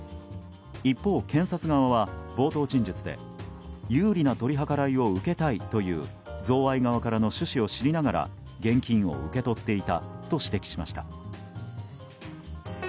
一方、検察側は冒頭陳述で有利な取り計らいを受けたいという贈賄側からの趣旨を知りながら現金を受け取っていたと指摘しました。